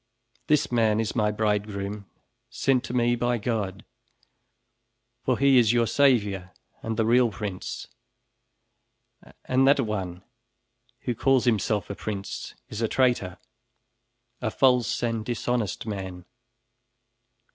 This man is my bridegroom, sent to me by God, for he is your savior, and the real prince. And that one who calls himself a prince, is a traitor; a false and dishonest man."